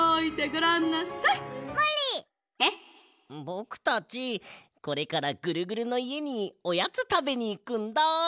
ぼくたちこれからぐるぐるのいえにおやつたべにいくんだ！